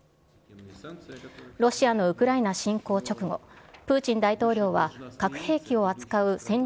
ロシアのウクライナ侵攻直後、プーチン大統領は核兵器を扱う戦略